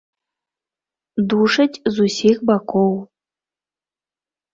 Душаць з усіх бакоў.